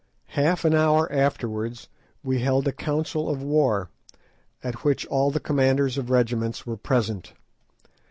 Half an hour afterwards we held a council of war, at which all the commanders of regiments were present.